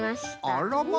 あらま！